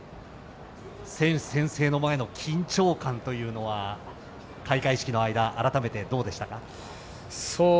選手宣誓の前の緊張感というのは開会式の間、改めてどうでしたか。